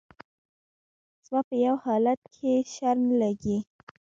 زما په يو حالت کښې شر نه لګي